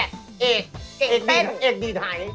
เอกเก่งแต้นเอกดีไทย